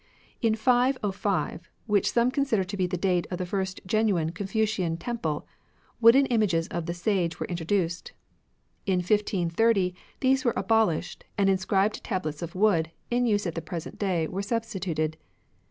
In 505, which some consider to be the date of the first genuine Confucian Temple, wooden images of the Sage were intro duced ; in 1530 these were abolished, and inscribed tablets of wood, in use at the present day, were substituted.